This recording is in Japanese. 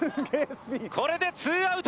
これでツーアウト！